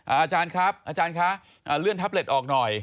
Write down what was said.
อาจารย์ครับอาจารย์คะเลื่อนแท็บเล็ตออกหน่อย